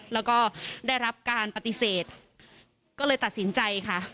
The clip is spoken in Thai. แล้วก็ได้รับการปฏิเสธก็เลยตัดสินใจค่ะ